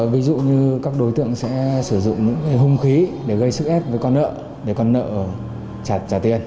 ví dụ như các đối tượng sẽ sử dụng những hung khí để gây sức ép với con nợ để con nợ chặt trả tiền